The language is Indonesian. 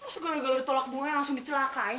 masuk gara gara tolak bunganya langsung dicelakain